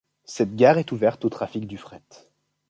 Cette gare est ouverte au trafic du fret.